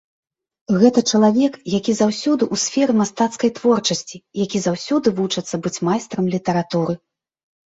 Гэта чалавек, які заўсёды ў сферы мастацкай творчасці, які заўсёды вучыцца быць майстрам літаратуры.